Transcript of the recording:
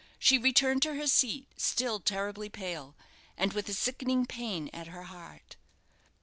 She returned to her seat, still terribly pale, and with a sickening pain at her heart.